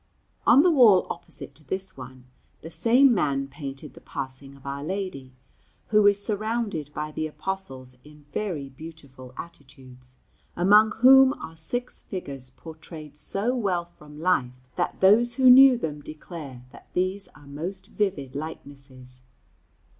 On the wall opposite to this one the same man painted the Passing of Our Lady, who is surrounded by the Apostles in very beautiful attitudes, among whom are six figures portrayed so well from life, that those who knew them declare that these are most vivid likenesses.